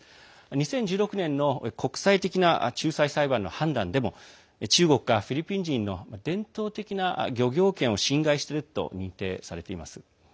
２０１６年の国際的な仲裁裁判の判断でも中国がフィリピン人の伝統的な漁業権を侵害していると認定されています。